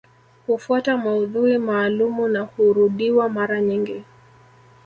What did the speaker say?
Hufuata maudhui maalumu na hurudiwa mara nyingi